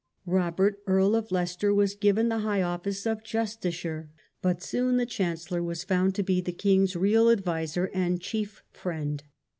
Robert, Earl of Leicester, was given the higher office of justiciar, but soon the chancellor was found to be the king's real adviser and chief friend.